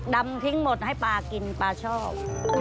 ดำทิ้งหมดให้ปลากินปลาชอบ